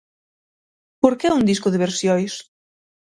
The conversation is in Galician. Por que un disco de versións?